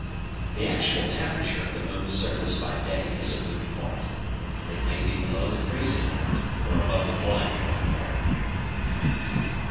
The actual temperature of the moon's surface by day is a moot point. It may be below the freezing point or above the boiling point of water.